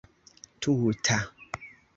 tuta